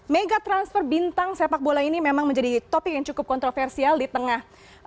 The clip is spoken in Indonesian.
mega transfer bintang sepak bola ini memang menjadi topik yang cukup kontroversial di tengah